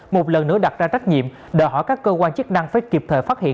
một lần nữa đặt ra trách nhiệm đòi hỏi các cơ quan chức năng phải kịp thời phát hiện